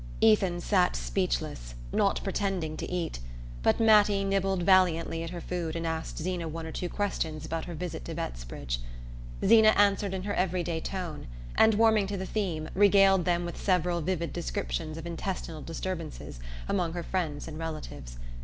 Ethan sat speechless, not pretending to eat, but Mattie nibbled valiantly at her food and asked Zeena one or two questions about her visit to Bettsbridge. Zeena answered in her every day tone and, warming to the theme, regaled them with several vivid descriptions of intestinal disturbances among her friends and relatives.